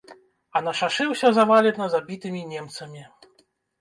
А на шашы ўсё завалена забітымі немцамі.